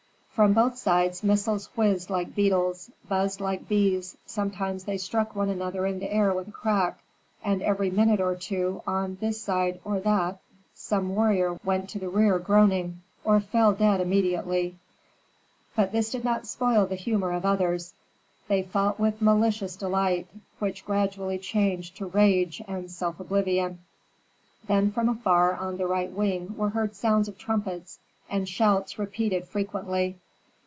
From both sides missiles whizzed like beetles, buzzed like bees, sometimes they struck one another in the air with a crack, and every minute or two on this side or that some warrior went to the rear groaning, or fell dead immediately. But this did not spoil the humor of others: they fought with malicious delight, which gradually changed to rage and self oblivion. Then from afar on the right wing were heard sounds of trumpets, and shouts repeated frequently.